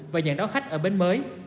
và nhận đón khách ở bến mới